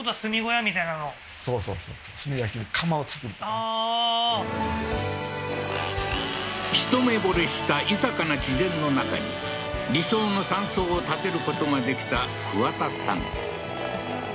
ああーああー一目ぼれした豊かな自然の中に理想の山荘を建てることができた桑田さん